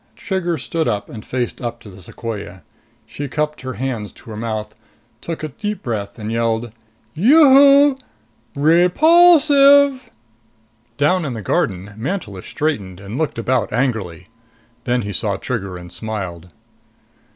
Trigger stood up and faced up to the sequoia. She cupped her hands to her mouth, took a deep breath, and yelled. "Yoo hoo! Reee pul sive!" Down in the garden, Mantelish straightened and looked about angrily. Then he saw Trigger and smiled.